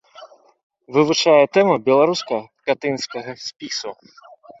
Вывучае тэму беларускага катынскага спісу.